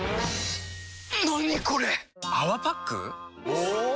お！